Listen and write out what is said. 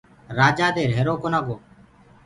رآجآ دي ريهرو ڪونآ گو